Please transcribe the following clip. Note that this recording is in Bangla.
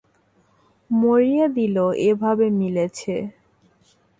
মরিয়া দিল এভাবে মিলেছে।